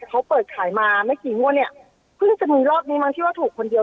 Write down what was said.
เขาเปิดขายมาไม่กี่งวดเนี่ยเพิ่งจะมีรอบนี้มั้งที่ว่าถูกคนเดียว